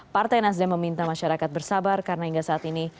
partai nasdem meminta masyarakat bersabar karena hingga saat ini